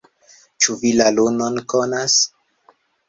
Ĉu vi la lunon konas?